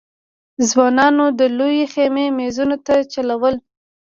ځوانانو د لويې خېمې مېزونو ته چلول.